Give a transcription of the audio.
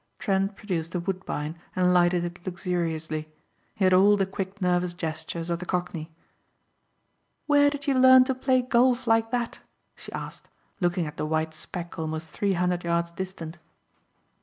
Trent produced a Woodbine and lighted it luxuriously. He had all the quick nervous gestures of the cockney. "Where did you learn to play golf like that?" she asked, looking at the white speck almost three hundred yards distant.